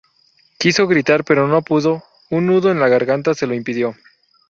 Quiso gritar, pero no pudo; un nudo en la garganta se lo impidió.